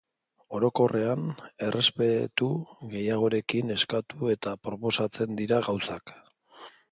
Orokorrean errespetu gehiagorekin eskatu eta proposatzen dira gauzak.